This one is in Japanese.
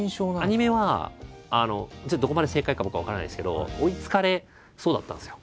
アニメはちょっとどこまで正解か僕は分からないですけど追いつかれそうだったんですよ